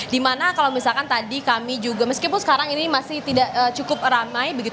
dimana kalau misalkan tadi kami juga meskipun sekarang ini masih tidak cukup ramai